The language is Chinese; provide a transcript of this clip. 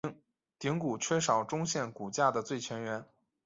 顶骨缺少中线骨架的最前缘。